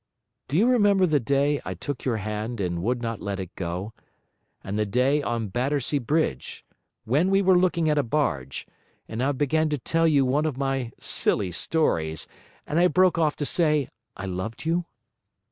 Do you remember the day I took your hand and would not let it go and the day on Battersea Bridge, when we were looking at a barge, and I began to tell you one of my silly stories, and broke off to say I loved you?